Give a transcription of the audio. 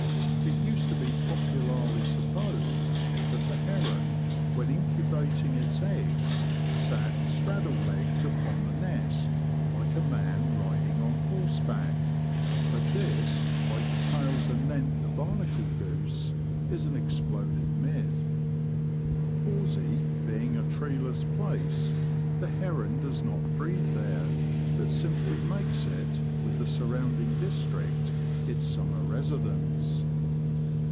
It used to be popularly supposed that a heron, when incubating its eggs, sat straddle legged upon the nest, like a man riding on horseback ; but this, like the tales anent the Barnicle goose, is an exploded myth. Horsey being a treeless place, the heron does not breed there, but simply makes it, with the surrounding district, its summer residence.